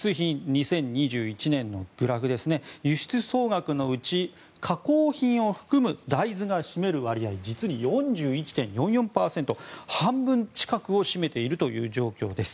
２０２１年のグラフですが輸出総額のうち加工品を含む大豆が占める割合が実に４１．４４％で半分近くを占めているという状況です。